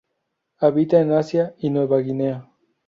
Habita en Asia y Nueva Guinea.